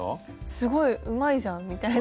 すごいうまいじゃんみたいな。